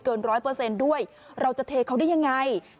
เกิน๑๐๐ด้วยเราจะเทเขาได้ยังไง